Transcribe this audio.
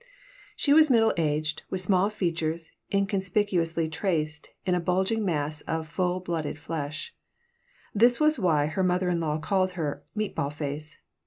She was middle aged, with small features inconspicuously traced in a bulging mass of full blooded flesh. This was why her mother in law called her "meat ball face."